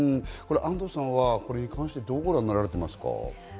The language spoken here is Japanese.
安藤さんはこれに関してどうご覧になっていますか？